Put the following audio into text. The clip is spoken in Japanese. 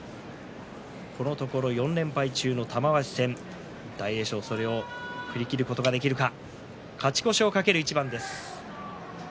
このところ４連敗中の玉鷲戦、大栄翔はそれを振り切ることができるか。